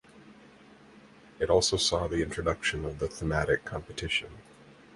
It also saw the introduction of the thematic competition.